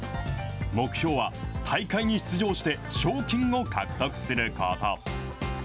目標は、大会に出場して賞金を獲得すること。